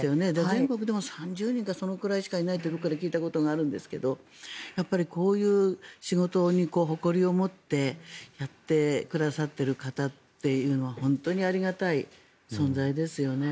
全国でも３０人かそこらしかいないと聞いたことがあるんですがやはりこういう仕事に誇りを持ってやってくださっている方というのは本当にありがたい存在ですよね。